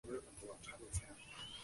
她要求所有学生完全尊敬她。